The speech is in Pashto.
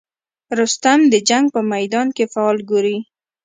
رستم د جنګ په میدان کې فال ګوري.